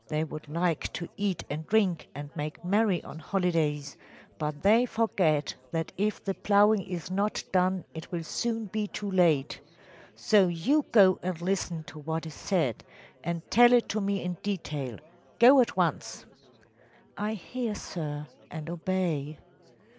They would like to eat and drink and make merry on holidays, but they forget that if the ploughing is not done it will soon be too late. So you go and listen to what is said, and tell it to me in detail. Go at once.‚ÄĚ “I hear, sir, and obey.